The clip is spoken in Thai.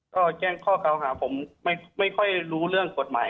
ก็แจ้งข้อเก่าหาผมไม่ค่อยรู้เรื่องกฎหมาย